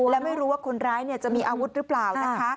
และไม่รู้ว่าคนร้ายจะมีอาวุธหรือเปล่านะคะ